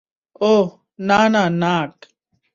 ওহ, না, না, নাক!